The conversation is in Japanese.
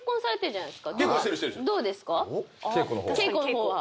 稽古の方は。